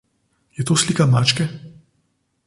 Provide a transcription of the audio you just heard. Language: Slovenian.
Je to slika mačke?